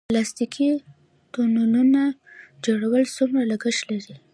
د پلاستیکي تونلونو جوړول څومره لګښت لري؟